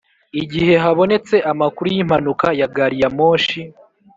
igihe habonetse amakuru y’impanuka ya gari ya moshi